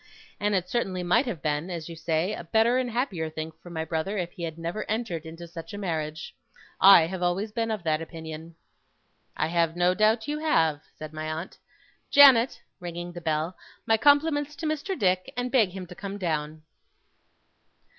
'And it certainly might have been, as you say, a better and happier thing for my brother if he had never entered into such a marriage. I have always been of that opinion.' 'I have no doubt you have,' said my aunt. 'Janet,' ringing the bell, 'my compliments to Mr. Dick, and beg him to come down.